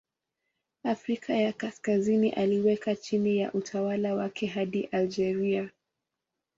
Afrika ya Kaskazini aliweka chini ya utawala wake hadi Algeria.